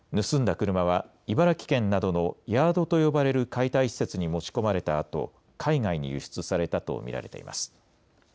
車は茨城県などのヤードと呼ばれる解体施設に持ち込まれたあと海外に輸出されたと見られています。